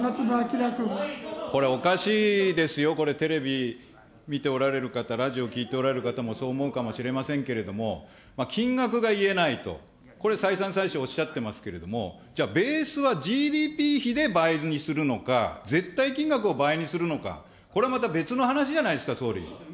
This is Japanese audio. これ、おかしいですよ、これ、テレビ見ておられる方、ラジオ聞いておられる方もそう思うかもしれませんけれども、金額が言えないと、これ、再三再四おっしゃってますけれども、じゃあ、ベースはＧＤＰ費で倍増にするのか、絶対金額を倍にするのか、これまた別の話じゃないですか、総理。